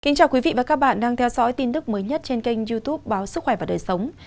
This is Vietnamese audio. kính chào quý vị và các bạn đang theo dõi tin tức mới nhất trên kênh youtube báo sức khỏe và đời sống